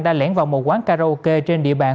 đã lén vào một quán karaoke trên địa bàn